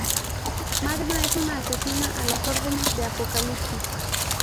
Magma es una asesina a las órdenes de Apocalipsis.